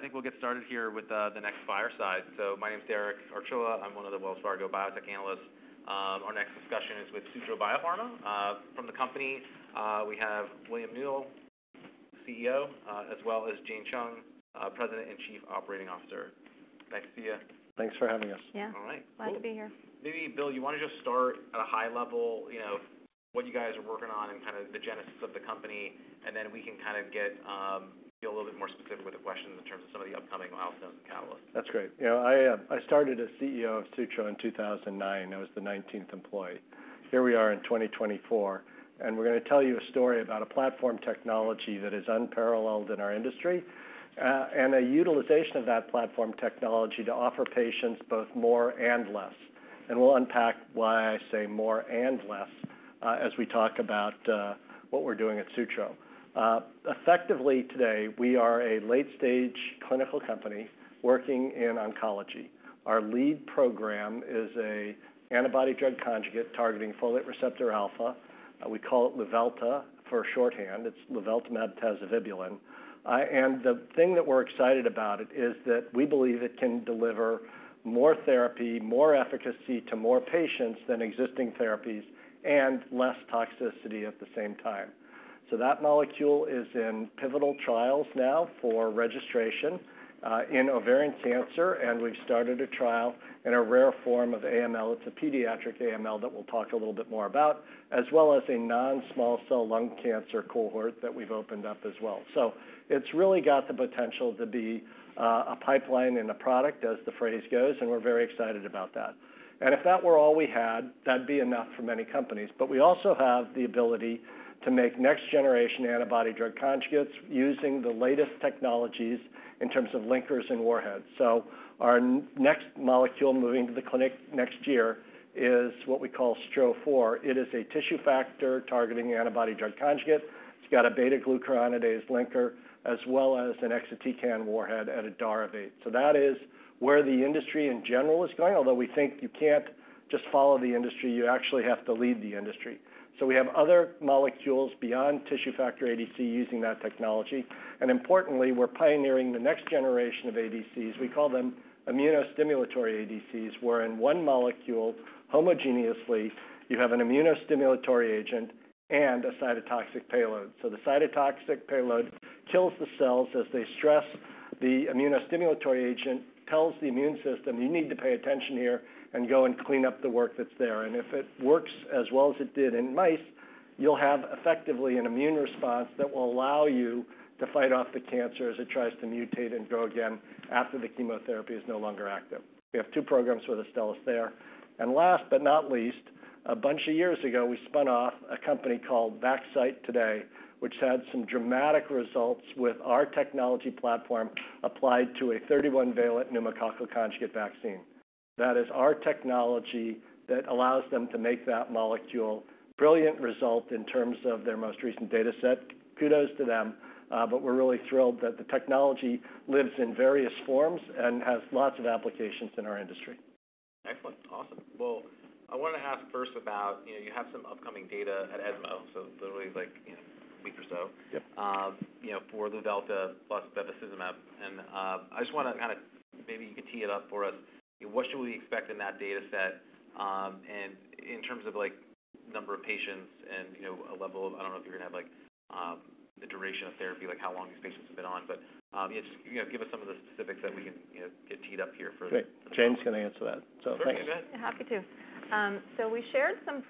All right, I think we'll get started here with the next fireside. So my name is Derek Archila. I'm one of the Wells Fargo biotech analysts. Our next discussion is with Sutro Biopharma. From the company, we have William Newell, CEO, as well as Jane Chung, President and Chief Operating Officer. Nice to see you. Thanks for having us. Yeah. All right. Glad to be here. Maybe, Bill, you want to just start at a high level, you know, what you guys are working on and kind of the genesis of the company, and then we can kind of get a little bit more specific with the questions in terms of some of the upcoming milestones and catalysts. That's great. You know, I, I started as CEO of Sutro in 2009. I was the nineteenth employee. Here we are in 2024, and we're going to tell you a story about a platform technology that is unparalleled in our industry, and a utilization of that platform technology to offer patients both more and less. And we'll unpack why I say more and less, as we talk about what we're doing at Sutro. Effectively, today, we are a late-stage clinical company working in oncology. Our lead program is a antibody drug conjugate targeting folate receptor alpha. We call it Luvelta for shorthand. It's luveltamab tazevibulin. And the thing that we're excited about it is that we believe it can deliver more therapy, more efficacy to more patients than existing therapies, and less toxicity at the same time. So that molecule is in pivotal trials now for registration in ovarian cancer, and we've started a trial in a rare form of AML. It's a pediatric AML that we'll talk a little bit more about, as well as a non-small cell lung cancer cohort that we've opened up as well. So it's really got the potential to be a pipeline and a product, as the phrase goes, and we're very excited about that. And if that were all we had, that'd be enough for many companies. But we also have the ability to make next-generation antibody-drug conjugates using the latest technologies in terms of linkers and warheads. So our next molecule, moving to the clinic next year, is what we call STRO-004. It is a tissue factor-targeting antibody-drug conjugate. It's got a beta-glucuronidase linker as well as an exatecan warhead and a DAR of eight. So that is where the industry in general is going, although we think you can't just follow the industry, you actually have to lead the industry. So we have other molecules beyond tissue factor ADC using that technology, and importantly, we're pioneering the next generation of ADCs. We call them immunostimulatory ADCs, where in one molecule, homogeneously, you have an immunostimulatory agent and a cytotoxic payload. So the cytotoxic payload kills the cells as they stress. The immunostimulatory agent tells the immune system, "You need to pay attention here and go and clean up the work that's there." And if it works as well as it did in mice, you'll have effectively an immune response that will allow you to fight off the cancer as it tries to mutate and grow again after the chemotherapy is no longer active. We have two programs with Astellas there. And last but not least, a bunch of years ago, we spun off a company called Vaxcyte today, which had some dramatic results with our technology platform applied to a 31-valent pneumococcal conjugate vaccine. That is our technology that allows them to make that molecule. Brilliant result in terms of their most recent dataset. Kudos to them, but we're really thrilled that the technology lives in various forms and has lots of applications in our industry. Excellent. Awesome. Well, I wanted to ask first about, you know, you have some upcoming data at ESMO, so literally, like, in a week or so- Yep... you know, for Luvelta plus bevacizumab. And, I just want to kind of maybe you can tee it up for us, what should we expect in that dataset? And in terms of, like, number of patients and, you know, a level of, I don't know if you're going to have, like, the duration of therapy, like, how long these patients have been on. But, just, you know, give us some of the specifics that we can, you know, get teed up here for. Great. Jane's going to answer that. So, thanks. Sure, go ahead. Happy to. So we shared some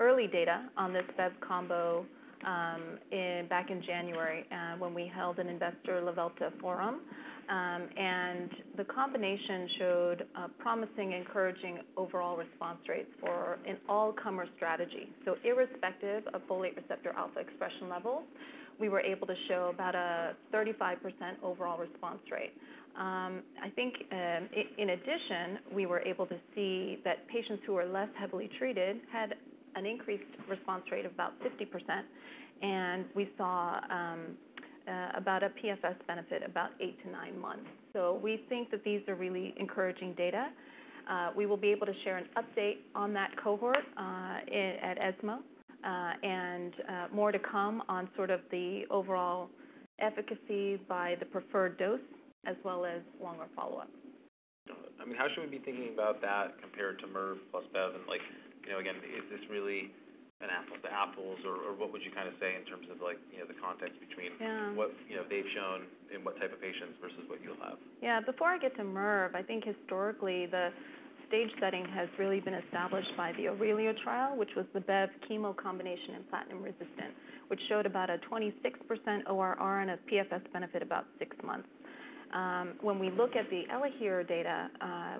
early data on this bev combo back in January when we held an investor Luvelta forum. And the combination showed a promising, encouraging overall response rates for an all-comer strategy. So irrespective of folate receptor alpha expression levels, we were able to show about a 35% overall response rate. I think in addition, we were able to see that patients who were less heavily treated had an increased response rate of about 50%, and we saw about a PFS benefit, about eight to nine months. So we think that these are really encouraging data. We will be able to share an update on that cohort at ESMO, and more to come on sort of the overall efficacy by the preferred dose as well as longer follow-up. I mean, how should we be thinking about that compared to Mirv+Bev? And like, you know, again, is this really an apples to apples, or, or what would you kind of say in terms of like, you know, the context between- Yeah... what, you know, they've shown in what type of patients versus what you'll have? Yeah. Before I get to Mirv, I think historically, the stage setting has really been established by the AURELIA trial, which was the Bev chemo combination in platinum resistance, which showed about a 26% ORR and a PFS benefit about six months. When we look at the Elahere data,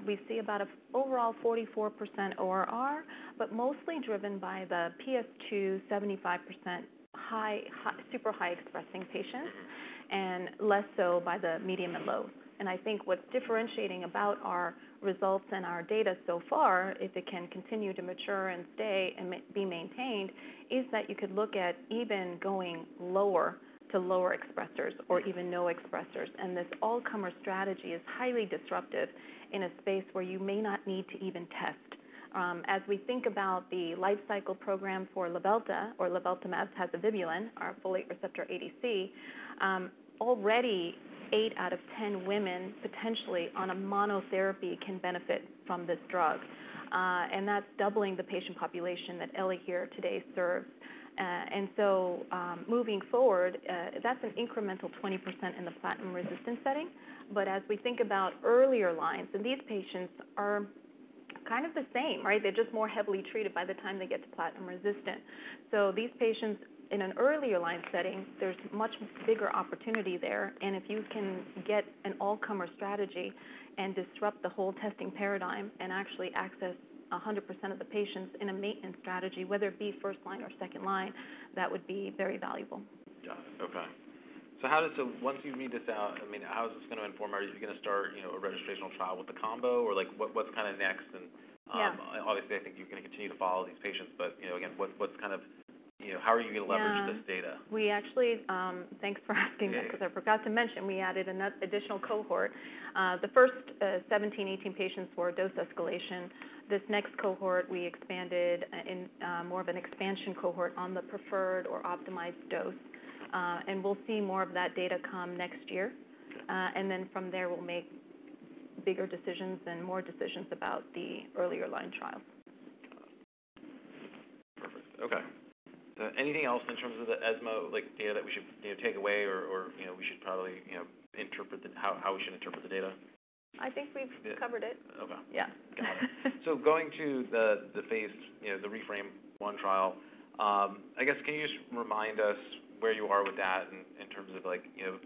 we see about an overall 44% ORR, but mostly driven by the 2+, 75% high, super high expressing patients, and less so by the medium and low, and I think what's differentiating about our results and our data so far, if it can continue to mature and stay and maybe be maintained, is that you could look at even going lower to lower expressers or even no expressers, and this all-comer strategy is highly disruptive in a space where you may not need to even test. As we think about the life cycle program for Luvelta or luveltamab tazevibulin, our folate receptor ADC. Already eight out of ten women, potentially on a monotherapy, can benefit from this drug, and that's doubling the patient population that Elahere today serves. And so, moving forward, that's an incremental 20% in the platinum-resistant setting. But as we think about earlier lines, and these patients are kind of the same, right? They're just more heavily treated by the time they get to platinum resistant. So these patients, in an earlier line setting, there's much bigger opportunity there. And if you can get an all-comer strategy and disrupt the whole testing paradigm, and actually access 100% of the patients in a maintenance strategy, whether it be first line or second line, that would be very valuable. Yeah. Okay, so how does the, once you read this out, I mean, how is this going to inform? Are you going to start, you know, a registrational trial with the combo, or like, what, what's kind of next? And, Yeah. Obviously, I think you're going to continue to follow these patients, but, you know, again, what's kind of, you know, how are you going to leverage this data? Yeah. We actually, thanks for asking, because I forgot to mention, we added another additional cohort. The first 17, 18 patients were dose escalation. This next cohort, we expanded in more of an expansion cohort on the preferred or optimized dose, and we'll see more of that data come next year, and then from there, we'll make bigger decisions and more decisions about the earlier line trial. Perfect. Okay. So anything else in terms of the ESMO, like, data that we should, you know, take away or, you know, we should probably, you know, interpret the... How we should interpret the data? I think we've covered it. Okay. Yeah. Got it. So going to the phase, you know, the REFRaME trial, I guess, can you just remind us where you are with that in terms of like, you know,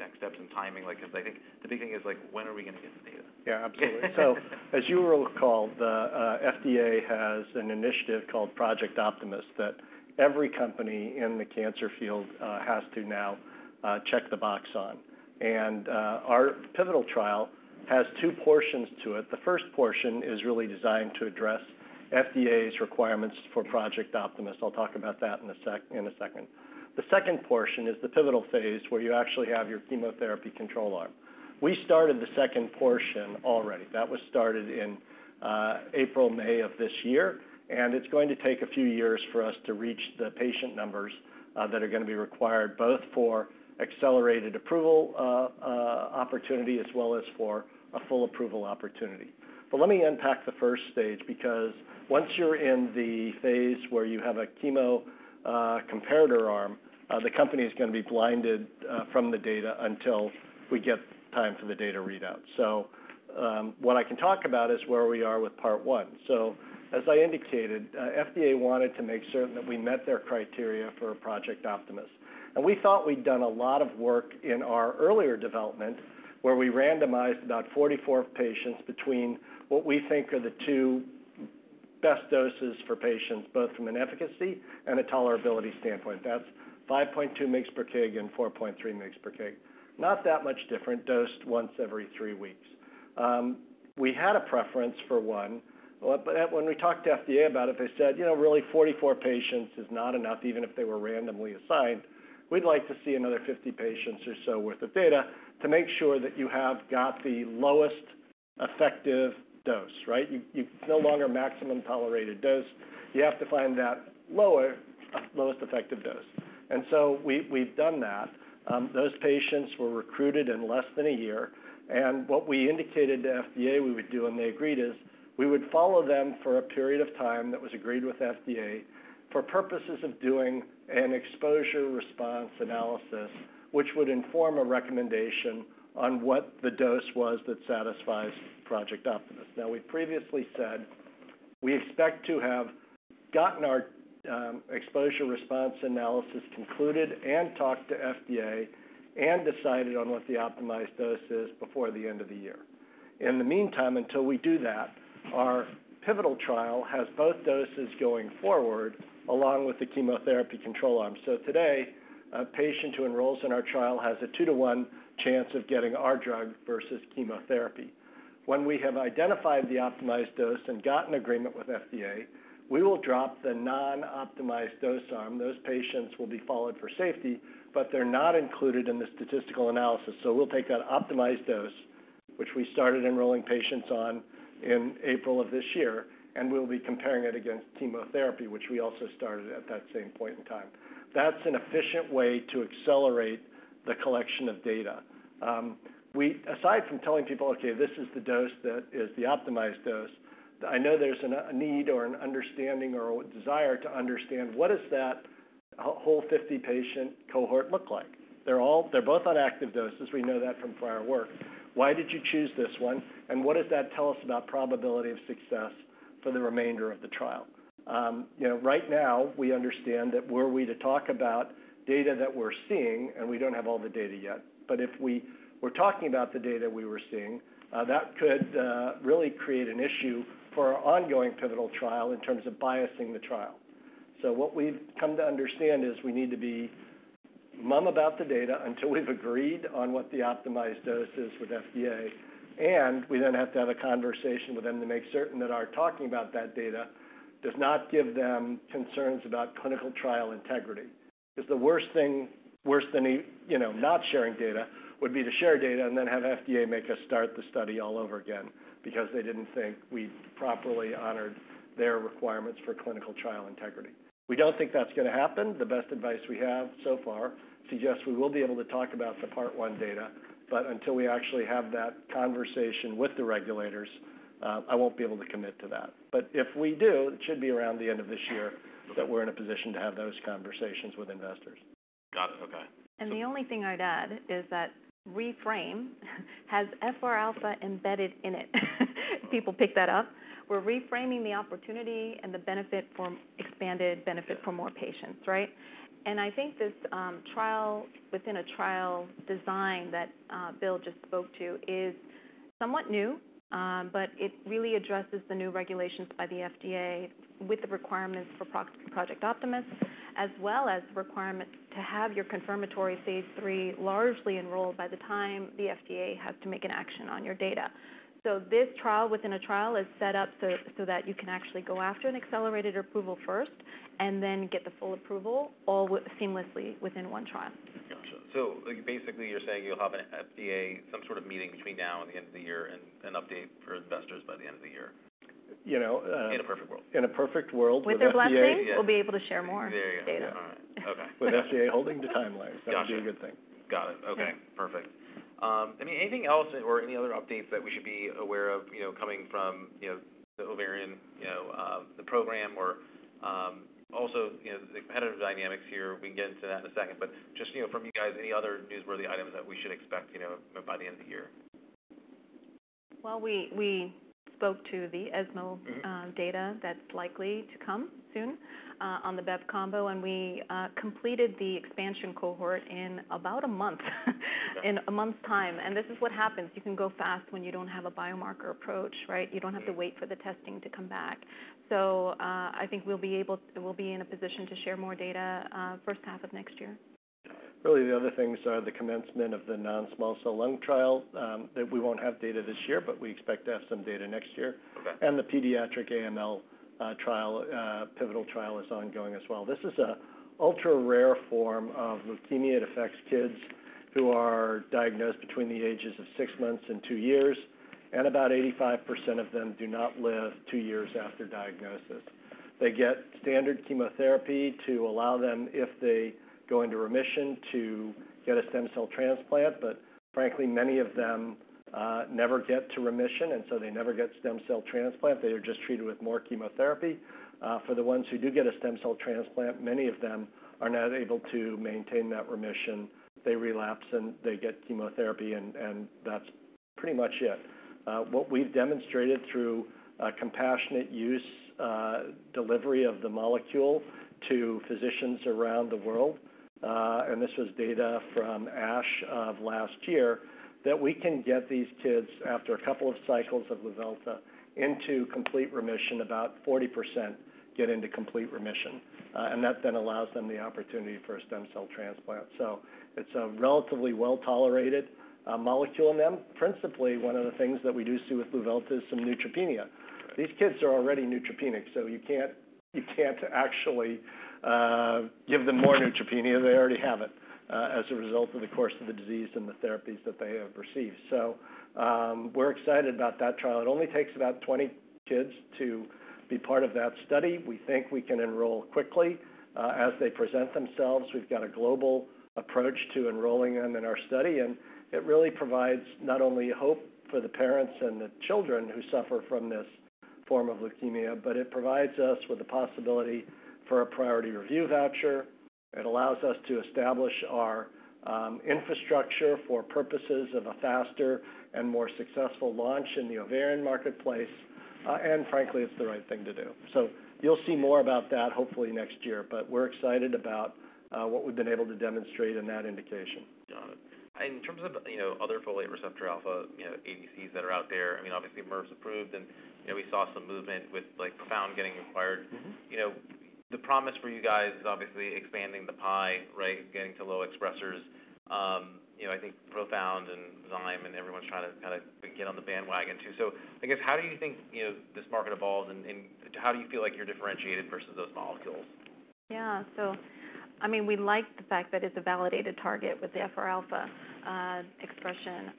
next steps and timing? Like, because I think the big thing is like, when are we going to get the data? Yeah, absolutely. So as you will recall, the FDA has an initiative called Project Optimist, that every company in the cancer field has to now check the box on. And our pivotal trial has two portions to it. The first portion is really designed to address FDA's requirements for Project Optimist. I'll talk about that in a second. The second portion is the pivotal phase, where you actually have your chemotherapy control arm. We started the second portion already. That was started in April, May of this year, and it's going to take a few years for us to reach the patient numbers that are going to be required, both for accelerated approval opportunity as well as for a full approval opportunity. But let me unpack the first stage, because once you're in the phase where you have a chemo comparator arm, the company is going to be blinded from the data until we get time for the data readout. So, what I can talk about is where we are with part one. So, as I indicated, FDA wanted to make certain that we met their criteria for Project Optimist. And we thought we'd done a lot of work in our earlier development, where we randomized about 44 patients between what we think are the two best doses for patients, both from an efficacy and a tolerability standpoint. That's 5.2 mg/kg and 4.3 mg/kg. Not that much different, dosed once every three weeks. We had a preference for one, well, but when we talked to FDA about it, they said: You know, really forty-four patients is not enough, even if they were randomly assigned. We'd like to see another fifty patients or so worth of data to make sure that you have got the lowest effective dose, right? You no longer maximum tolerated dose. You have to find that lower, lowest effective dose. And so we've done that. Those patients were recruited in less than a year, and what we indicated to FDA we would do, and they agreed, is we would follow them for a period of time that was agreed with FDA for purposes of doing an exposure-response analysis, which would inform a recommendation on what the dose was that satisfies Project Optimist. Now, we previously said we expect to have gotten our exposure response analysis concluded and talked to FDA, and decided on what the optimized dose is before the end of the year. In the meantime, until we do that, our pivotal trial has both doses going forward, along with the chemotherapy control arm. So today, a patient who enrolls in our trial has a two to one chance of getting our drug versus chemotherapy. When we have identified the optimized dose and gotten agreement with FDA, we will drop the non-optimized dose arm. Those patients will be followed for safety, but they're not included in the statistical analysis. So we'll take that optimized dose, which we started enrolling patients on in April of this year, and we'll be comparing it against chemotherapy, which we also started at that same point in time. That's an efficient way to accelerate the collection of data. We aside from telling people, okay, this is the dose, that is the optimized dose, I know there's a need or an understanding or a desire to understand, what does that whole 50-patient cohort look like? They're both on active doses. We know that from prior work. Why did you choose this one? And what does that tell us about probability of success for the remainder of the trial? You know, right now, we understand that were we to talk about data that we're seeing, and we don't have all the data yet, but if we were talking about the data we were seeing, that could really create an issue for our ongoing pivotal trial in terms of biasing the trial. So what we've come to understand is we need to be mum about the data until we've agreed on what the optimized dose is with FDA, and we then have to have a conversation with them to make certain that our talking about that data does not give them concerns about clinical trial integrity. Because the worst thing, worse than, you know, not sharing data, would be to share data and then have FDA make us start the study all over again because they didn't think we properly honored their requirements for clinical trial integrity. We don't think that's going to happen. The best advice we have so far suggests we will be able to talk about the Part One data, but until we actually have that conversation with the regulators, I won't be able to commit to that. But if we do, it should be around the end of this year that we're in a position to have those conversations with investors. Got it. Okay. And the only thing I'd add is that REFRaME has FR alpha embedded in it. People pick that up. We're reframing the opportunity and the benefit for expanded benefit for more patients, right? And I think this trial within a trial design that Bill just spoke to is somewhat new, but it really addresses the new regulations by the FDA with the requirements for Project Optimist, as well as the requirements to have your confirmatory phase III largely enrolled by the time the FDA has to make an action on your data. So this trial within a trial is set up so that you can actually go after an accelerated approval first, and then get the full approval all seamlessly within one trial. Got you. So basically, you're saying you'll have an FDA, some sort of meeting between now and the end of the year and an update for investors by the end of the year? You know, In a perfect world. In a perfect world with FDA- With their blessing, we'll be able to share more data. There you go. All right. Okay. With FDA holding to timelines, that would be a good thing. Got it. Okay, perfect. I mean, anything else or any other updates that we should be aware of, you know, coming from, you know, the ovarian, you know, the program or, also, you know, the competitive dynamics here? We can get into that in a second, but just, you know, from you guys, any other newsworthy items that we should expect, you know, by the end of the year? Well, we spoke to the ESMO data that's likely to come soon on the bev combo, and we completed the expansion cohort in about a month, in a month's time. And this is what happens. You can go fast when you don't have a biomarker approach, right? You don't have to wait for the testing to come back. So, I think we'll be in a position to share more data first half of next year. Really, the other things are the commencement of the non-small cell lung trial, that we won't have data this year, but we expect to have some data next year. Okay. The pediatric AML trial, pivotal trial is ongoing as well. This is a ultra-rare form of leukemia. It affects kids who are diagnosed between the ages of six months and two years, and about 85% of them do not live two years after diagnosis. They get standard chemotherapy to allow them, if they go into remission, to get a stem cell transplant, but frankly, many of them never get to remission, and so they never get stem cell transplant. They are just treated with more chemotherapy. For the ones who do get a stem cell transplant, many of them are not able to maintain that remission. They relapse, and they get chemotherapy, and that's pretty much it. What we've demonstrated through a compassionate use delivery of the molecule to physicians around the world, and this was data from ASH of last year, that we can get these kids, after a couple of cycles of Luvelta, into complete remission. About 40% get into complete remission, and that then allows them the opportunity for a stem cell transplant. So it's a relatively well-tolerated molecule in them. Principally, one of the things that we do see with Luvelta is some neutropenia. Right. These kids are already neutropenic, so you can't, you can't actually give them more neutropenia. They already have it as a result of the course of the disease and the therapies that they have received. So, we're excited about that trial. It only takes about 20 kids to be part of that study. We think we can enroll quickly as they present themselves. We've got a global approach to enrolling them in our study, and it really provides not only hope for the parents and the children who suffer from this form of leukemia, but it provides us with the possibility for a Priority Review Voucher. It allows us to establish our infrastructure for purposes of a faster and more successful launch in the ovarian marketplace, and frankly, it's the right thing to do. So you'll see more about that, hopefully next year, but we're excited about what we've been able to demonstrate in that indication. Got it. In terms of, you know, other folate receptor alpha, you know, ADCs that are out there, I mean, obviously, Mirv's approved, and, you know, we saw some movement with, like, ProfoundBio getting acquired. Mm-hmm. You know, the promise for you guys is obviously expanding the pie, right? Getting to low expressers. You know, I think Profound and Zymeworks, and everyone's trying to kind of get on the bandwagon, too. So I guess, how do you think, you know, this market evolves, and how do you feel like you're differentiated versus those molecules? Yeah. So, I mean, we like the fact that it's a validated target with the FR alpha expression.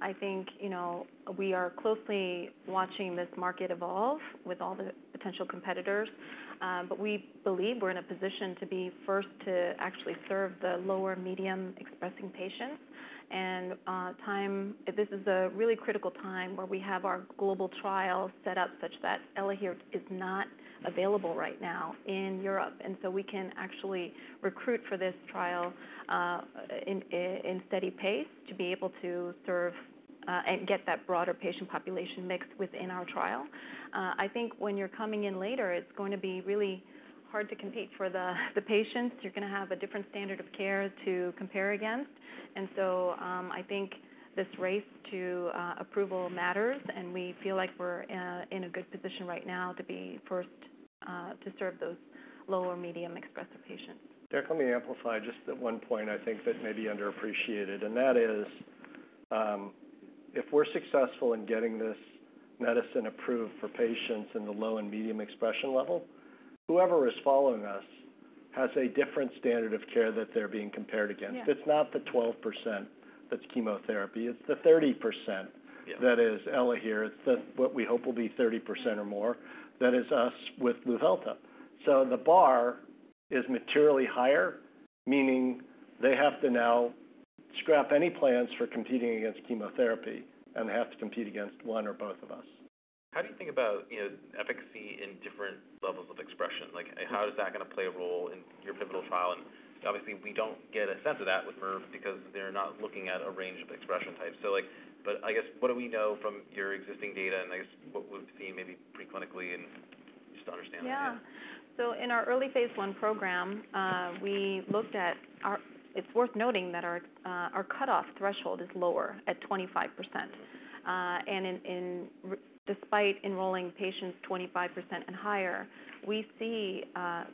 I think, you know, we are closely watching this market evolve with all the potential competitors, but we believe we're in a position to be first to actually serve the lower medium expressing patients. And time, this is a really critical time where we have our global trial set up such that Elahere is not available right now in Europe, and so we can actually recruit for this trial in steady pace to be able to serve and get that broader patient population mix within our trial. I think when you're coming in later, it's going to be really hard to compete for the patients. You're gonna have a different standard of care to compare against. I think this race to approval matters, and we feel like we're in a good position right now to be first to serve those lower medium expressive patients. Derek, let me amplify just at one point. I think that may be underappreciated, and that is... If we're successful in getting this medicine approved for patients in the low and medium expression level, whoever is following us has a different standard of care that they're being compared against. Yeah. It's not the 12% that's chemotherapy, it's the 30%- Yeah. That is Elahere. It's that what we hope will be 30% or more, that is us with Luvelta. So the bar is materially higher, meaning they have to now scrap any plans for competing against chemotherapy, and they have to compete against one or both of us. How do you think about, you know, efficacy in different levels of expression? Like, how is that going to play a role in your pivotal trial? Obviously, we don't get a sense of that with Mirv, because they're not looking at a range of expression types. So, but I guess, what do we know from your existing data, and I guess, what we've seen maybe preclinically just to understand that? Yeah. So in our early phase 1 program, we looked at our. It's worth noting that our cutoff threshold is lower at 25%. And despite enrolling patients 25% and higher, we see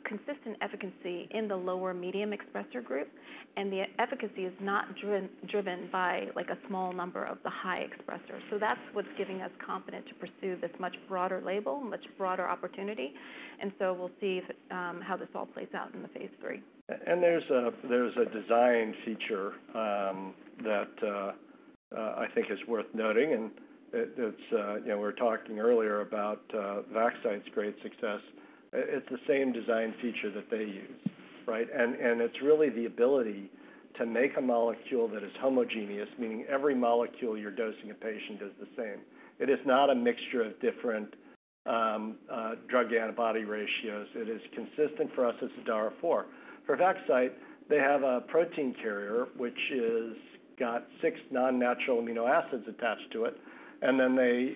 consistent efficacy in the lower medium expressor group, and the efficacy is not driven by, like, a small number of the high expressors. So that's what's giving us confidence to pursue this much broader label, much broader opportunity. And so we'll see how this all plays out in the phase 3. And there's a design feature that I think is worth noting, and it's, you know, we're talking earlier about Vaxcyte's great success. It's the same design feature that they use, right? And it's really the ability to make a molecule that is homogeneous, meaning every molecule you're dosing a patient is the same. It is not a mixture of different drug antibody ratios. It is consistent for us as a DAR4. For Vaxcyte, they have a protein carrier, which is got six non-natural amino acids attached to it, and then they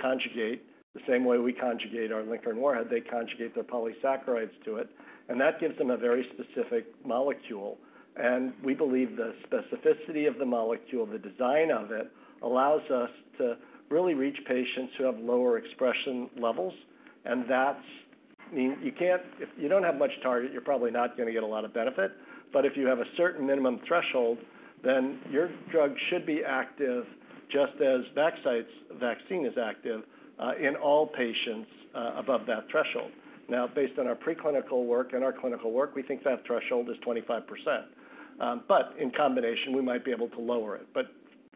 conjugate the same way we conjugate our linker and warhead, they conjugate their polysaccharides to it, and that gives them a very specific molecule. We believe the specificity of the molecule, the design of it, allows us to really reach patients who have lower expression levels, and that's. I mean, you can't. If you don't have much target, you're probably not going to get a lot of benefit. But if you have a certain minimum threshold, then your drug should be active, just as Vaxcyte's vaccine is active in all patients above that threshold. Now, based on our preclinical work and our clinical work, we think that threshold is 25%, but in combination, we might be able to lower it. But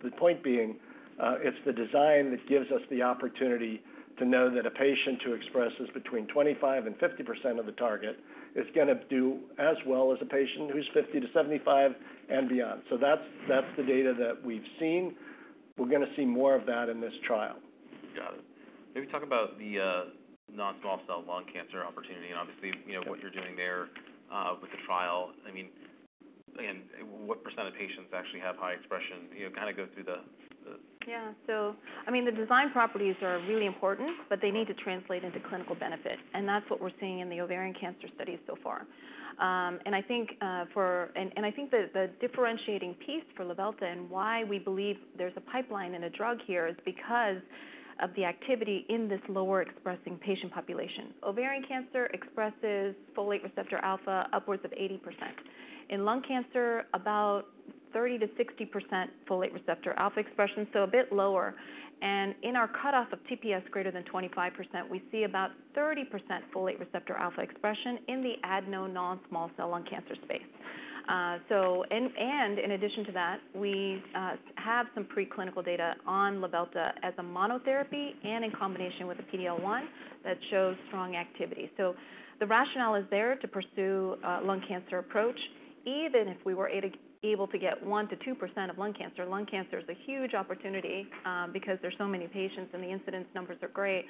the point being, it's the design that gives us the opportunity to know that a patient who expresses between 25% and 50% of the target is going to do as well as a patient who's 50-75% and beyond. So that's, that's the data that we've seen. We're going to see more of that in this trial. Got it. Maybe talk about the non-small cell lung cancer opportunity, and obviously, you know, what you're doing there with the trial. I mean, and what percent of patients actually have high expression? You know, kind of go through the Yeah. So I mean, the design properties are really important, but they need to translate into clinical benefit, and that's what we're seeing in the ovarian cancer studies so far. And I think the differentiating piece for Luvelta and why we believe there's a pipeline and a drug here is because of the activity in this lower expressing patient population. Ovarian cancer expresses folate receptor alpha, upwards of 80%. In lung cancer, about 30%-60% folate receptor alpha expression, so a bit lower. And in our cutoff of TPS greater than 25%, we see about 30% folate receptor alpha expression in the adenocarcinoma non-small cell lung cancer space. And in addition to that, we have some preclinical data on Luvelta as a monotherapy and in combination with a PD-L1 that shows strong activity. So the rationale is there to pursue lung cancer approach. Even if we were able to get 1%-2% of lung cancer, lung cancer is a huge opportunity because there's so many patients and the incidence numbers are great.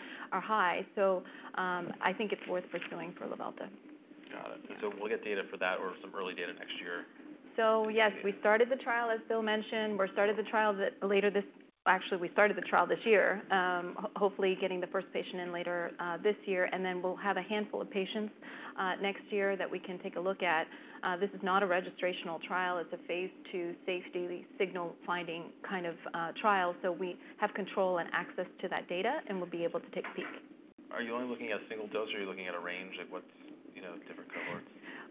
So I think it's worth pursuing for Luvelta. Got it. So we'll get data for that or some early data next year? So yes, we started the trial, as Bill mentioned. Actually, we started the trial this year, hopefully getting the first patient in later this year, and then we'll have a handful of patients next year that we can take a look at. This is not a registrational trial. It's a phase two safety signal-finding kind of trial. So we have control and access to that data, and we'll be able to take a peek. Are you only looking at a single dose, or are you looking at a range of what's, you know, different cohorts?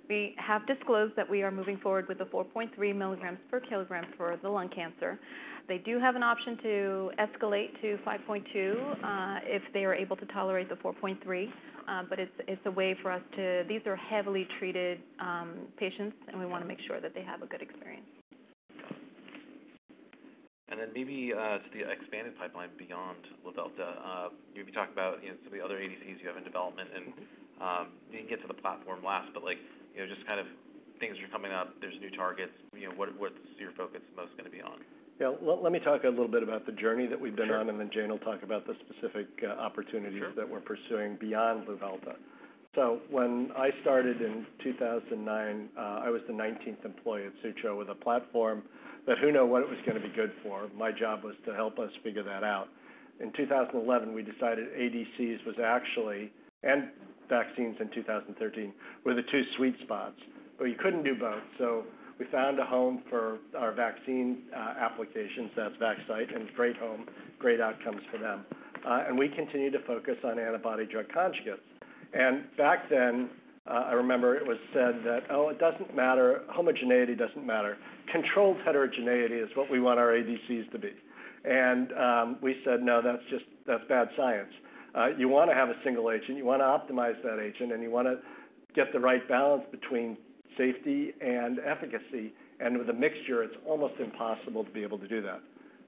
We have disclosed that we are moving forward with the 4.3 mg per kg for the lung cancer. They do have an option to escalate to 5.2 if they are able to tolerate the 4.3. But it's a way for us to... These are heavily treated patients. Yeah. and we want to make sure that they have a good experience. And then maybe to the expanded pipeline beyond Luvelta. You've been talking about, you know, some of the other ADCs you have in development, and you can get to the platform last, but like, you know, just kind of things are coming up, there's new targets, you know, what, what's your focus most going to be on? Yeah, well, let me talk a little bit about the journey that we've been on. Sure. - and then Jane will talk about the specific, opportunities- Sure. that we're pursuing beyond Luvelta. So when I started in 2009, I was the 19th employee at Sutro with a platform that you know what it was going to be good for? My job was to help us figure that out. In 2011, we decided ADCs was actually, and vaccines in 2013, were the two sweet spots, but you couldn't do both. So we found a home for our vaccine applications. That's Vaxcyte, and great home, great outcomes for them. And we continue to focus on antibody drug conjugates. And back then, I remember it was said that: Oh, it doesn't matter, homogeneity doesn't matter. Controlled heterogeneity is what we want our ADCs to be. We said, "No, that's just, that's bad science." You wanna have a single agent, you wanna optimize that agent, and you wanna get the right balance between safety and efficacy. And with a mixture, it's almost impossible to be able to do that.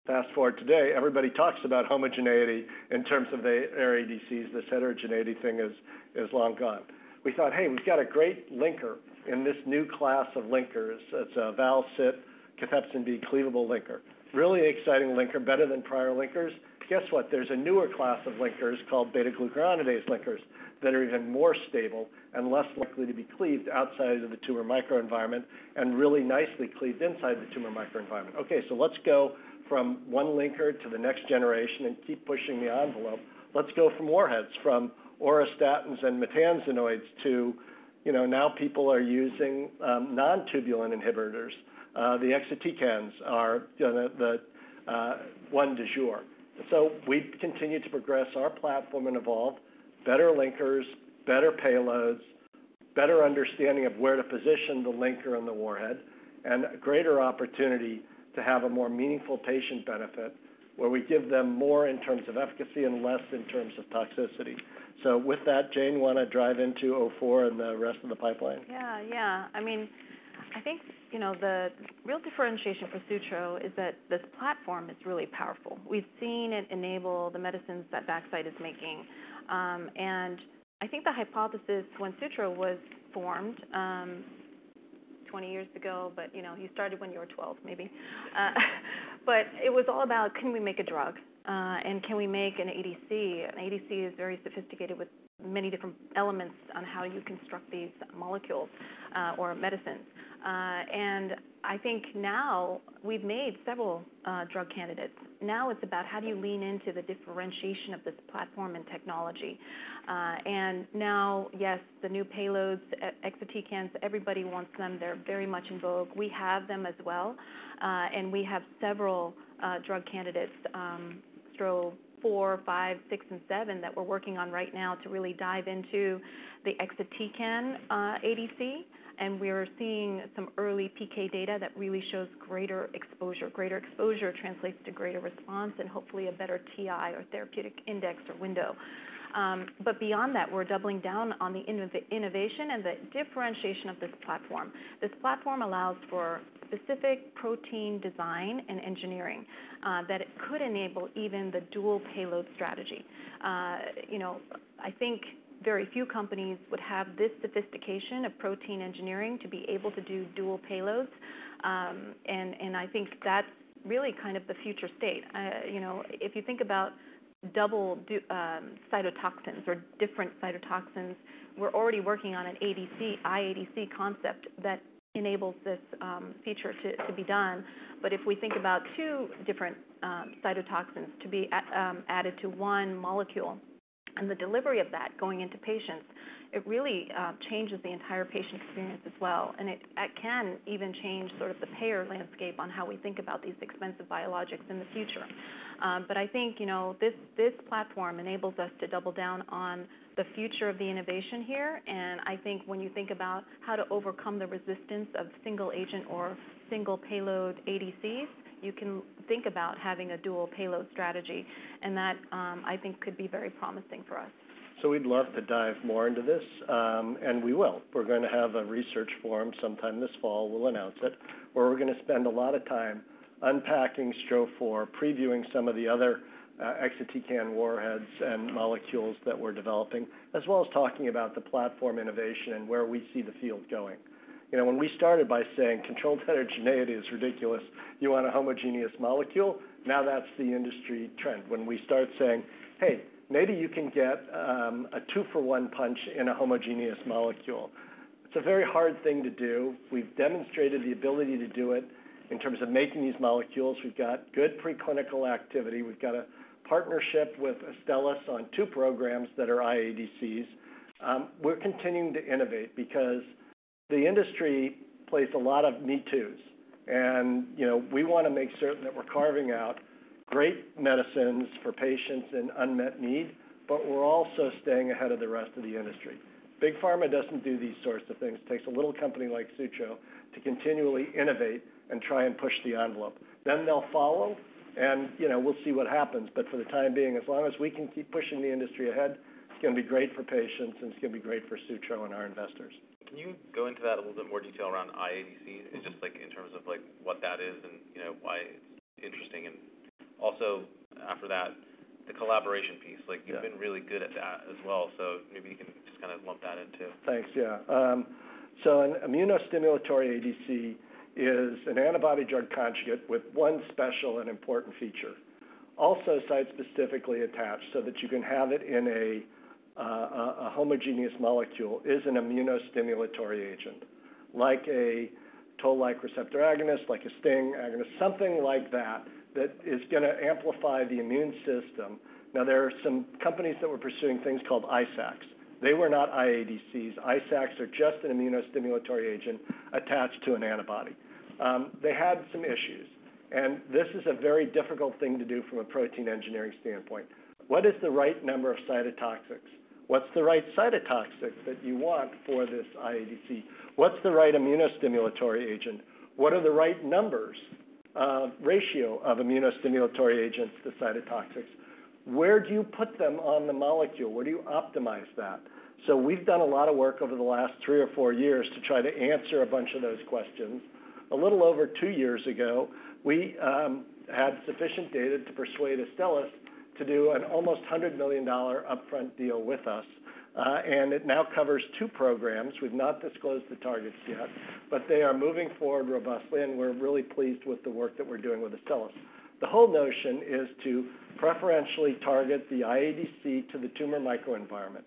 Fast-forward today, everybody talks about homogeneity in terms of ADCs. This heterogeneity thing is long gone. We thought, Hey, we've got a great linker in this new class of linkers. It's a val-cit cathepsin B cleavable linker. Really exciting linker, better than prior linkers. Guess what? There's a newer class of linkers called beta-glucuronidase linkers, that are even more stable and less likely to be cleaved outside of the tumor microenvironment, and really nicely cleaved inside the tumor microenvironment. Okay, so let's go from one linker to the next generation and keep pushing the envelope. Let's go from warheads, from auristatins and maytansinoids to, you know, now people are using non-tubulin inhibitors. The exatecans are, you know, the one du jour. So we've continued to progress our platform and evolve better linkers, better payloads, better understanding of where to position the linker and the warhead, and a greater opportunity to have a more meaningful patient benefit, where we give them more in terms of efficacy and less in terms of toxicity. So with that, Jane, you wanna dive into '04 and the rest of the pipeline? Yeah, yeah. I mean, I think, you know, the real differentiation for Sutro is that this platform is really powerful. We've seen it enable the medicines that Vaxcyte is making. And I think the hypothesis when Sutro was formed, 20 years ago, but, you know, you started when you were 12, maybe. But it was all about, can we make a drug, and can we make an ADC? An ADC is very sophisticated with many different elements on how you construct these molecules, or medicines. And I think now we've made several, drug candidates. Now it's about how do you lean into the differentiation of this platform and technology? And now, yes, the new payloads, exatecans, everybody wants them. They're very much in vogue. We have them as well, and we have several drug candidates, STRO-004, five, six, and seven, that we're working on right now to really dive into the Exatecan ADC, and we are seeing some early PK data that really shows greater exposure. Greater exposure translates to greater response and hopefully a better TI or therapeutic index or window, but beyond that, we're doubling down on the innovation and the differentiation of this platform. This platform allows for specific protein design and engineering that it could enable even the dual payload strategy. You know, I think very few companies would have this sophistication of protein engineering to be able to do dual payloads, and I think that's really kind of the future state. You know, if you think about double dose, cytotoxins or different cytotoxins, we're already working on an ADC, iADC concept that enables this feature to be done. But if we think about two different, cytotoxins to be added to one molecule and the delivery of that going into patients, it really changes the entire patient experience as well, and it can even change sort of the payer landscape on how we think about these expensive biologics in the future, but I think, you know, this platform enables us to double down on the future of the innovation here, and I think when you think about how to overcome the resistance of single agent or single payload ADCs, you can think about having a dual payload strategy, and that, I think could be very promising for us. So we'd love to dive more into this, and we will. We're gonna have a research forum sometime this fall, we'll announce it, where we're gonna spend a lot of time unpacking STRO-004, previewing some of the other Exatecan warheads and molecules that we're developing, as well as talking about the platform innovation and where we see the field going. You know, when we started by saying controlled heterogeneity is ridiculous, you want a homogeneous molecule, now that's the industry trend. When we start saying, "Hey, maybe you can get a two-for-one punch in a homogeneous molecule," it's a very hard thing to do. We've demonstrated the ability to do it in terms of making these molecules. We've got good preclinical activity. We've got a partnership with Astellas on two programs that are iADCs. We're continuing to innovate because the industry plays a lot of me-toos, and, you know, we wanna make certain that we're carving out great medicines for patients in unmet need, but we're also staying ahead of the rest of the industry. Big Pharma doesn't do these sorts of things. It takes a little company like Sutro to continually innovate and try and push the envelope, then they'll follow, and, you know, we'll see what happens, but for the time being, as long as we can keep pushing the industry ahead, it's gonna be great for patients, and it's gonna be great for Sutro and our investors. Can you go into that a little bit more detail around iADCs? And just like, in terms of like, what that is and, you know, why it's interesting. And also after that, the collaboration piece- Yeah. Like you've been really good at that as well, so maybe you can just kind of lump that in, too. Thanks. Yeah. So an immunostimulatory ADC is an antibody drug conjugate with one special and important feature, also site-specifically attached so that you can have it in a homogeneous molecule, is an immunostimulatory agent, like a toll-like receptor agonist, like a STING agonist, something like that, that is gonna amplify the immune system. Now, there are some companies that were pursuing things called ISACs. They were not iADCs. ISACs are just an immunostimulatory agent attached to an antibody. They had some issues, and this is a very difficult thing to do from a protein engineering standpoint. What is the right number of cytotoxics? What's the right cytotoxic that you want for this iADC? What's the right immunostimulatory agent? What are the right numbers? Ratio of immunostimulatory agents to cytotoxics, where do you put them on the molecule? Where do you optimize that? So we've done a lot of work over the last three or four years to try to answer a bunch of those questions. A little over two years ago, we had sufficient data to persuade Astellas to do an almost $100 million dollar upfront deal with us, and it now covers two programs. We've not disclosed the targets yet, but they are moving forward robustly, and we're really pleased with the work that we're doing with Astellas. The whole notion is to preferentially target the iADC to the tumor microenvironment.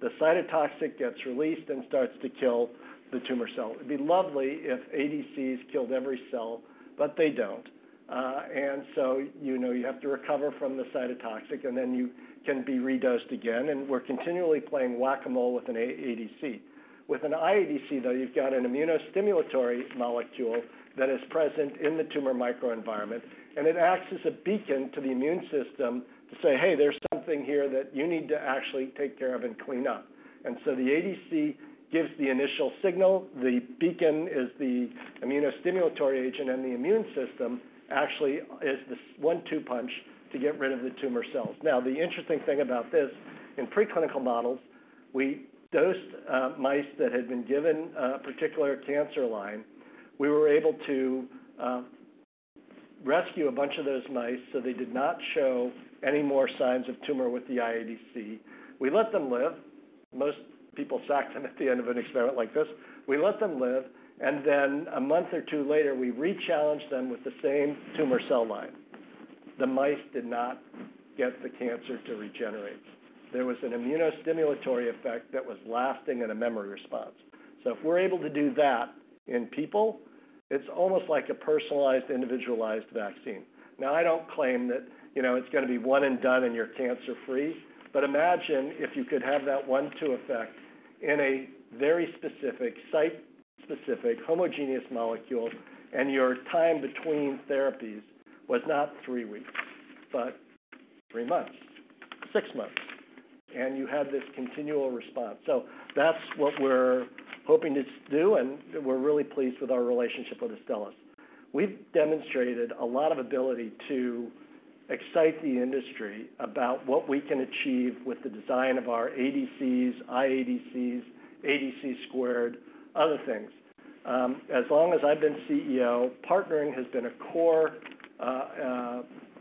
The cytotoxic gets released and starts to kill the tumor cell. It'd be lovely if ADCs killed every cell, but they don't. And so, you know, you have to recover from the cytotoxic, and then you can be redosed again, and we're continually playing Whack-A-Mole with an iADC. With an iADC, though, you've got an immunostimulatory molecule that is present in the tumor microenvironment, and it acts as a beacon to the immune system to say, "Hey, there's something here that you need to actually take care of and clean up," and so the ADC gives the initial signal. The beacon is the immunostimulatory agent, and the immune system actually is this one-two punch to get rid of the tumor cells. Now, the interesting thing about this, in preclinical models, we dosed mice that had been given a particular cancer line. We were able to rescue a bunch of those mice, so they did not show any more signs of tumor with the iADC. We let them live. Most people sack them at the end of an experiment like this. We let them live, and then a month or two later, we rechallenged them with the same tumor cell line. The mice did not get the cancer to regenerate. There was an immunostimulatory effect that was lasting in a memory response. So if we're able to do that in people, it's almost like a personalized, individualized vaccine. Now, I don't claim that, you know, it's gonna be one and done, and you're cancer-free. But imagine if you could have that one, two effect in a very specific, site-specific, homogeneous molecule, and your time between therapies was not three weeks, but three months, six months, and you had this continual response. So that's what we're hoping to do, and we're really pleased with our relationship with Astellas. We've demonstrated a lot of ability to excite the industry about what we can achieve with the design of our ADCs, iADCs, ADC squared, other things. As long as I've been CEO, partnering has been a core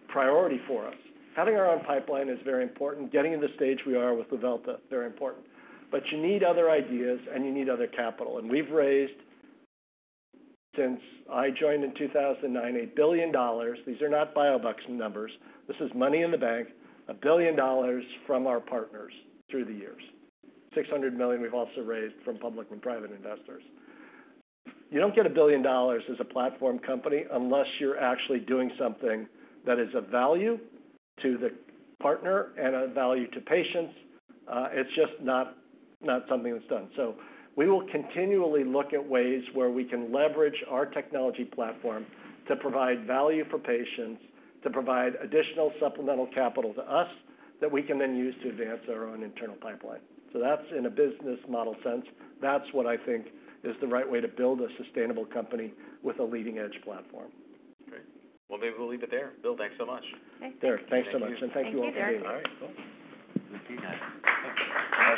priority for us. Having our own pipeline is very important. Getting to the stage we are with Luvelta is very important, but you need other ideas, and you need other capital, and we've raised, since I joined in 2009, $1 billion. These are not Biobucks numbers. This is money in the bank, $1 billion from our partners through the years. $600 million we've also raised from public and private investors. You don't get $1 billion as a platform company unless you're actually doing something that is of value to the partner and of value to patients. It's just not something that's done. So we will continually look at ways where we can leverage our technology platform to provide value for patients, to provide additional supplemental capital to us, that we can then use to advance our own internal pipeline. So that's in a business model sense. That's what I think is the right way to build a sustainable company with a leading-edge platform. Great. Well, maybe we'll leave it there. Bill, thanks so much. Okay. Thanks so much, and thank you all for being here. All right, cool. Good to see you.